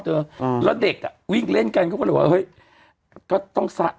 แล้วเด็กวิ่งเล่นกันเขาก็เหมือนว่าเฮ้ยก็ต้องสัก